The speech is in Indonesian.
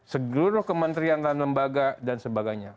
segeluruh kementerian lembaga dan sebagainya